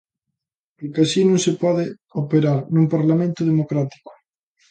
Porque así non se pode operar nun Parlamento democrático.